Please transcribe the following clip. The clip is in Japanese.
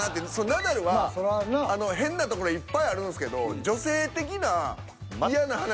ナダルは変なところいっぱいあるんすけどほんまに。